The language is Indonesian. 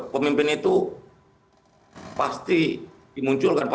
pemimpin itu pasti dimunculkan